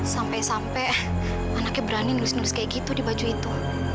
sampai sampai anaknya berani nus nulis kayak gitu di baju itu